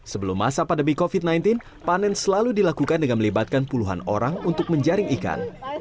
sebelum masa pandemi covid sembilan belas panen selalu dilakukan dengan melibatkan puluhan orang untuk menjaring ikan